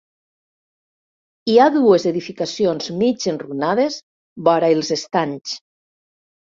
Hi ha dues edificacions mig enrunades vora els estanys.